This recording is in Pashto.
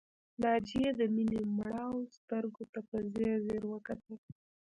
ناجیه د مينې مړاوو سترګو ته په ځير ځير وکتل